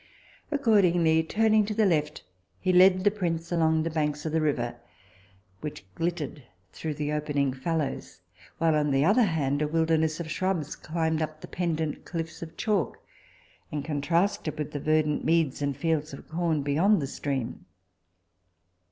Accordingly turning to the left, he led the prince along the banks of the river, which glittered through the opening fallows, while on the other hand a wilderness of shrubs climbed up the pendent cliffs of chalk, and contrasted with the verdant meads and fields of corn beyond the stream.